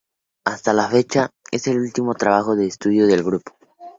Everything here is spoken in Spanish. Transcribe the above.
Hasta la fecha, es el último trabajo de estudio del grupo.